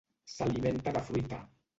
S'alimenta de fruita.